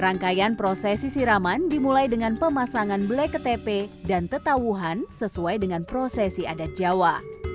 rangkaian prosesi siraman dimulai dengan pemasangan belek ktp dan tetawuhan sesuai dengan prosesi adat jawa